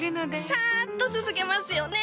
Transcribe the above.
サッとすすげますよね！